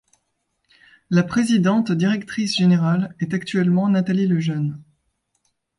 La présidente-directrice générale est actuellement Natalie Lejeune.